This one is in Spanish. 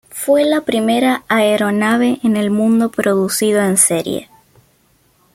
Fue la primera aeronave en el mundo producido en serie.